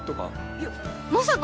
いやまさか！